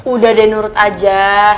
udah deh nurut aja